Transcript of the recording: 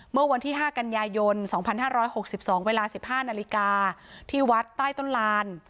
เมื่อวันที่ห้ากันยายนสองพันห้าร้อยหกสิบสองเวลาสิบห้านาฬิกาที่วัดใต้ต้นลาน